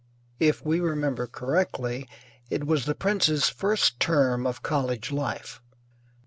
If we remember correctly, it was the prince's first term of college life.